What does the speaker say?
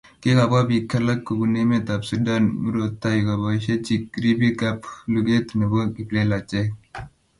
kikabwa biik alak kubun emet ab Sudan murotai koboishechi ribik ab luget chebo kiplelachek